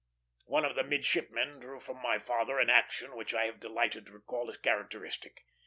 One of the midshipmen drew from my father an action which I have delighted to recall as characteristic.